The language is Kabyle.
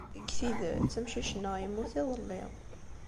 Deg tidet, amcic-nneɣ yemmut iḍelli.